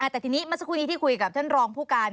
แต่ทีนี้เมื่อสักครู่นี้ที่คุยกับท่านรองผู้การ